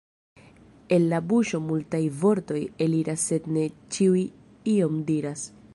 El la buŝo multaj vortoj eliras, sed ne ĉiuj ion diras.